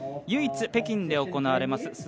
唯一北京で行われます